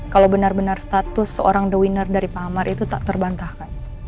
kalau benar benar status seorang the winner dari pak amar itu tak terbantahkan